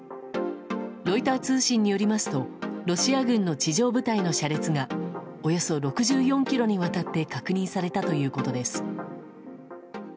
ロイター通信によりますとロシア軍の地上部隊の車列がおよそ６４ｋｍにわたって確認されたということです。